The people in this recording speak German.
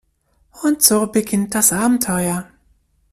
Und so beginnt das Abenteuer.